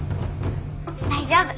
大丈夫。